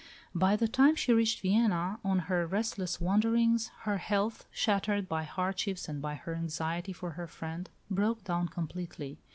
By the time she reached Vienna on her restless wanderings, her health, shattered by hardships and by her anxiety for her friend, broke down completely.